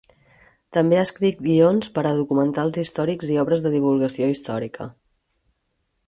També ha escrit guions per a documentals històrics i obres de divulgació històrica.